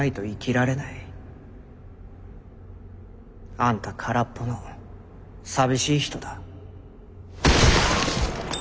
あんた空っぽの寂しい人だ。